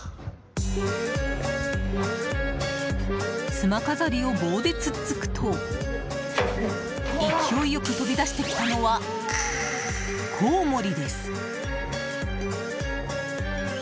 妻飾りを棒で突っつくと勢いよく飛び出してきたのはコウモリです。